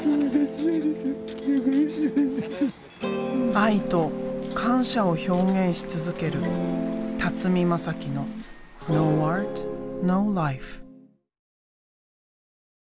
愛と感謝を表現し続ける辰巳公紀のｎｏａｒｔ，ｎｏｌｉｆｅ。